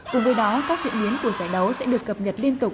cùng với đó các diễn biến của giải đấu sẽ được cập nhật liên tục